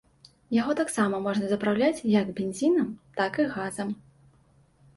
Яго таксама можна запраўляць як бензінам, так і газам.